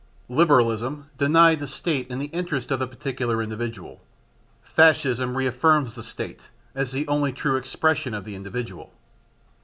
Liberalism denied the State in the interests of the particular individual; Fascism reaffirms the State as the only true expression of the individual.